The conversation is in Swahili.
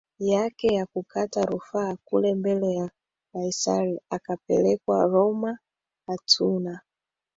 yake ya kukata rufaa kule mbele ya Kaisari Akapelekwa Roma Hatuna